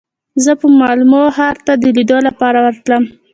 زه به مالمو ښار ته د لیدو لپاره ورتلم.